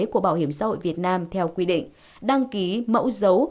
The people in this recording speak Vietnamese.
của bảo hiểm xã hội việt nam theo quy định đăng ký mẫu dấu